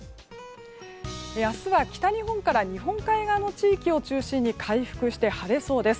明日は北日本から日本海側の地域を中心に回復して晴れそうです。